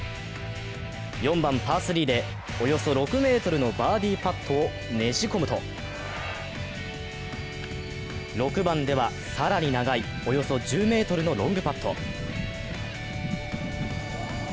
４番パー３でおよそ６ｍのバーディーパットをねじ込むと、６番では更に長い、およそ１０ｍのロングパット。